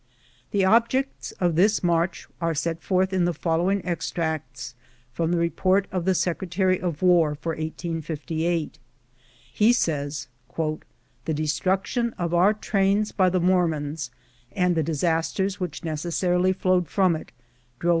The objects of this march are set forth in the following extracts from the report of the Secretary of War for 1858. He says: "The destruction of our trains by the Mormons, and the disasters which necessarily flowed from it, drove REPORT OF SECRETARY OF "WAR.